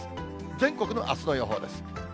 全国のあすの予報です。